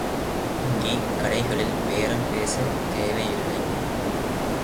அங்கே கடைகளில் பேரம் பேசத் தேவை இல்லை.